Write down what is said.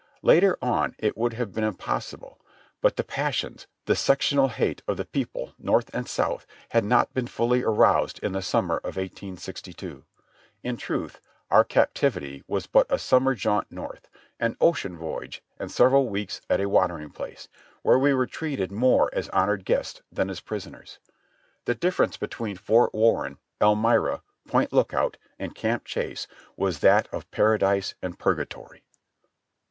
Later on it would have been impossible ; but the pas sions, the sectional hate of the people North and South had not been fully aroused in the summer of 1862. In truth, our captivity was but a summer jaunt North, an ocean voyage and several weeks at a watering place, where we were treated more as hon ored guests than as prisoners of war. The difference between Fort Warren, Elmira, Point Lookout and Camp Chase was that of Paradise and Purgatory.